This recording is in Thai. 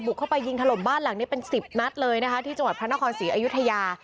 เข้าไปยิงถล่มบ้านหลังนี้เป็นสิบนัดเลยนะคะที่จังหวัดพระนครศรีอยุธยา